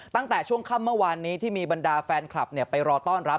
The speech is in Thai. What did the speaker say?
ตั้งแต่ช่วงค่ำเมื่อวานนี้ที่มีบรรดาแฟนคลับไปรอต้อนรับ